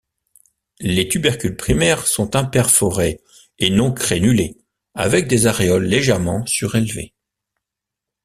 Les tubercules primaires sont imperforés et non crénulés, avec des aréoles légèrement surélevées.